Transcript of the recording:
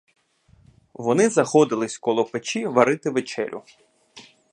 Вони заходились коло печі варити вечерю.